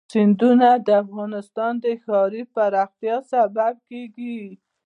سیندونه د افغانستان د ښاري پراختیا سبب کېږي.